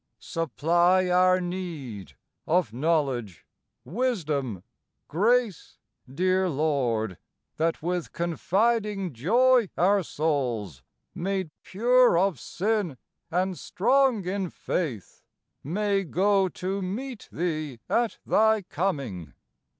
Supply our need, of knowledge, wisdom, grace, Dear Lord, that with confiding joy our souls, Made pure of sin and strong in faith, may go To meet Thee at Thy coming.